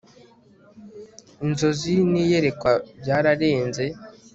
Inzozi niyerekwa byararenze